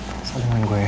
isalan denimin gue ya